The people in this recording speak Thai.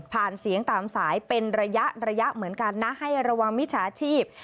เสียงตามสายเป็นระยะระยะเหมือนกันนะให้ระวังมิจฉาชีพ